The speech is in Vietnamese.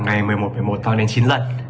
ngày một mươi một một mươi một toàn đến chín lần